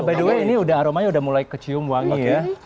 by the way ini udah aromanya udah mulai kecium wangi ya